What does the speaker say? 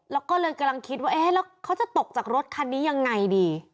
แล้วก็เลยกำลังคิดว่าเอ๊ะแล้วเขาจะตกจากรถคันนี้ยังไงดี